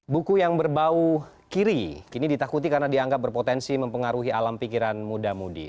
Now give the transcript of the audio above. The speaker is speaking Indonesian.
buku yang berbau kiri kini ditakuti karena dianggap berpotensi mempengaruhi alam pikiran muda mudi